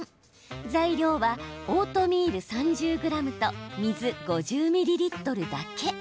材料はオートミール３０ｇと水５０ミリリットルだけ。